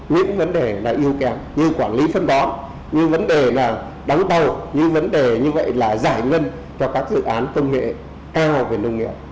những vấn đề là yêu kém như quản lý phân bón như vấn đề là đắng bầu như vấn đề như vậy là giải ngân cho các dự án công nghệ eo về nông nghiệp